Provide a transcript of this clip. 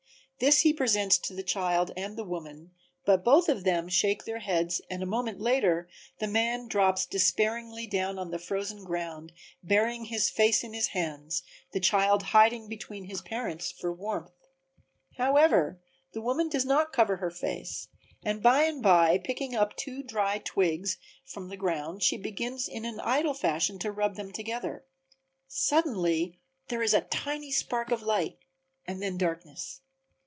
This he presents to the child and the woman, but both of them shake their heads and a moment later the man drops despairingly down on the frozen ground burying his face in his hands, the child hiding between his parents for warmth. However the woman does not cover her face and by and by, picking up two dry twigs from the ground, she begins in an idle fashion to rub them together. Suddenly there is a tiny spark of light and then darkness.